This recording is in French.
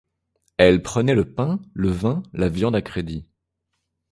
Elle prenait le pain, le vin, la viande à crédit.